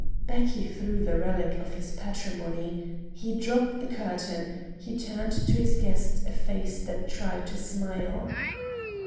Back he threw the relic of his patrimony; he dropped the curtain; he turned on his guest a face that tried to smile.